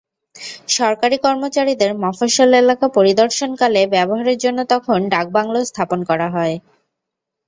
সরকারি কর্মচারীদের মফস্বল এলাকা পরিদর্শনকালে ব্যবহারের জন্য তখন ডাকবাংলো স্থাপন করা হয়।